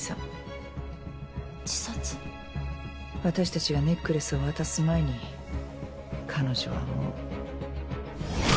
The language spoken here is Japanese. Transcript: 私たちがネックレスを渡す前に彼女はもう。